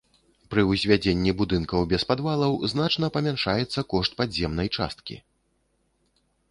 Пры ўзвядзенні будынкаў без падвалаў значна памяншаецца кошт падземнай часткі.